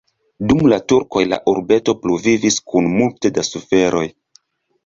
Dum la turkoj la urbeto pluvivis kun multe da suferoj.